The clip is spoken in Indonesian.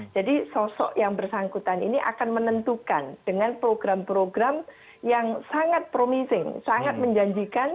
jadi sosok yang bersangkutan ini akan menentukan dengan program program yang sangat promising sangat menjaga kemampuan